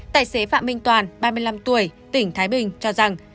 tài xế phạm minh toàn ba mươi năm tuổi tỉnh thái bình cho rằng